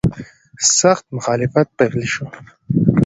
سخت مخالفت پیل شو.